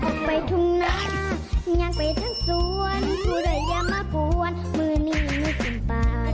ออกไปทุ่งหน้ายังไปทั้งส่วนสูดอย่างมากว้นมื้อนี่ยังไม่ชมปาด